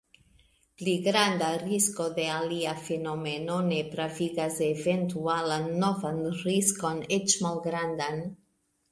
Pli granda risko de alia fenomeno ne pravigas eventualan novan riskon eĉ malgrandan.